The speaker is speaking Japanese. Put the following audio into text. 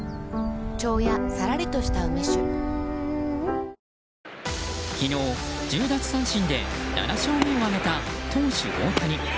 三菱電機昨日１０奪三振で７勝目を挙げた投手・大谷。